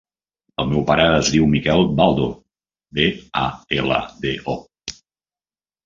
El meu pare es diu Miquel Baldo: be, a, ela, de, o.